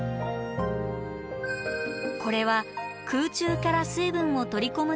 これは空中から水分を取り込むための気根。